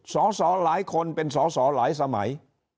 สอสอหลายคนเป็นสอสอหลายสมัย